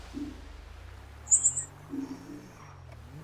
申恬起初任骠骑将军刘道邻的长兼行参军。